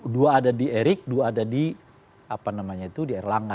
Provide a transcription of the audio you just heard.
dua ada di erick dua ada di apa namanya itu di air langga